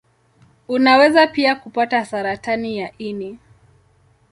Unaweza pia kupata saratani ya ini.